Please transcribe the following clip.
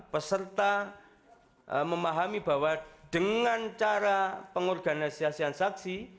peserta memahami bahwa dengan cara pengorganisasian saksi